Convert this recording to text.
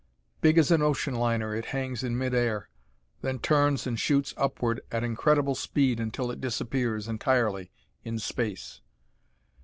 "Big as an ocean liner," it hangs in midair, then turns and shoots upward at incredible speed until it disappears entirely, in space!